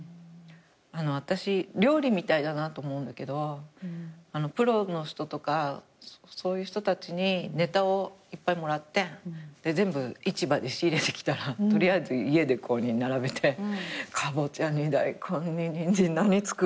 私料理みたいだなと思うんだけどプロの人とかそういう人たちにネタをいっぱいもらって全部市場で仕入れてきたら取りあえず家で並べてカボチャにダイコンにニンジン何作ろうみたいな。